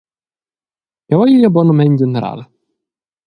Jeu hai igl abonnament general.